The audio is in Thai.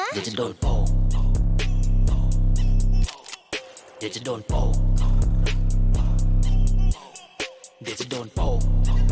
เดี๋ยวจะโดนโป่ง